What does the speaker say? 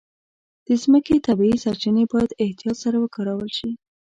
د مځکې طبیعي سرچینې باید احتیاط سره وکارول شي.